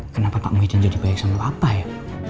kenapa pak muhyiddin jadi baik sama lo apa ya